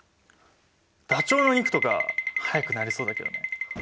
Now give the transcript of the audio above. ダチョウの肉とか速くなりそうだけどね。